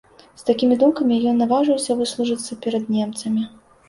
З такімі думкамі ён наважыўся выслужыцца перад немцамі.